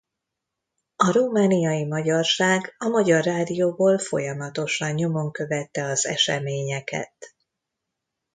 A romániai magyarság a magyar rádióból folyamatosan nyomon követte az eseményeket.